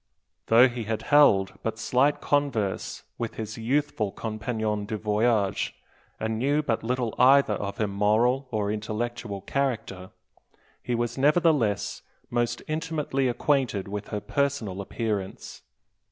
Though he had held but slight converse with his youthful compagnon du voyage, and knew but little either of her moral or intellectual character, he was nevertheless most intimately acquainted with her personal appearance.